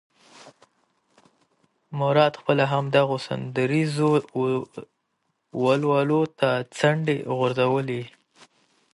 مراد خپله هم دغو سندریزو ولولو ته څڼې غورځولې.